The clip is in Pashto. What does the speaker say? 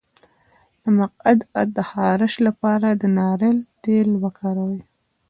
د مقعد د خارش لپاره د ناریل تېل وکاروئ